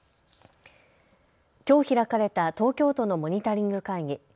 きょう開かれた東京都のモニタリング会議。